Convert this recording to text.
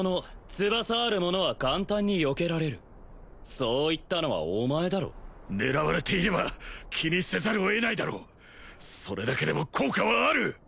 翼ある者は簡単によけられるそう言ったのはお前だろ狙われていれば気にせざるを得ないだろうそれだけでも効果はある